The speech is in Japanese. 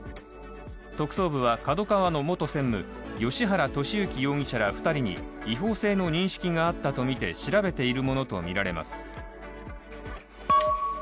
特捜部はＫＡＤＯＫＡＷＡの元専務・芳原世幸容疑者ら２人に違法性の認識があったとみて調べているものとみられます。